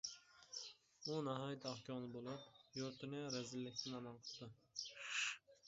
ئۇ ناھايىتى ئاق كۆڭۈل بولۇپ، يۇرتىنى رەزىللىكتىن ئامان قىپتۇ.